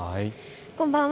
こんばんは。